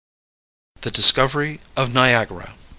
THE DISCOVERY OF NIAGARA.